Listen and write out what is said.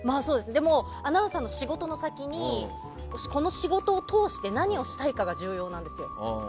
アナウンサーの仕事の先にこの仕事を通して何をしたいかが重要なんですよ。